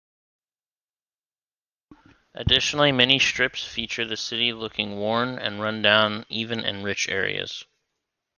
Additionally many strips feature the city looking worn and run-down even in "rich" areas.